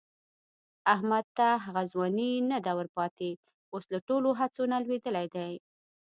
احمد ته هغه ځواني نه ده ورپاتې، اوس له ټولو هڅو نه لوېدلی دی.